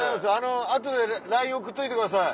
後でＬＩＮＥ送っといてください。